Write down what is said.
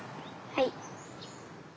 はい。